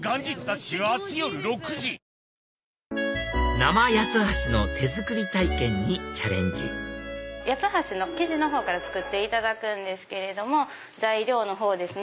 生八つ橋の手作り体験にチャレンジ八つ橋の生地のほうから作っていただくんですけれども材料のほうですね